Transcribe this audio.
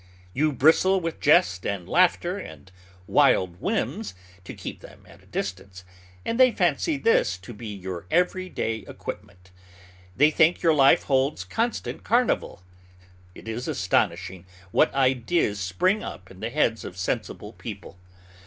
You bristle with jest and laughter and wild whims, to keep them at a distance; and they fancy this to be your every day equipment. They think your life holds constant carnival. It is astonishing what ideas spring up in the heads of sensible people.